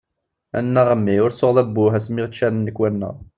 Annaɣ, a mmi! Ur tsuɣeḍ "abbuh" ass-mi yaɣ-ččan nnekwa-nneɣ!